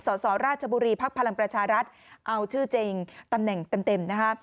สสราชบุรีภักดิ์พลังประชารัฐเอาชื่อจริงตำแหน่งเต็มนะคะ